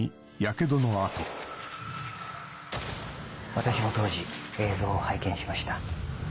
私も当時映像を拝見しました。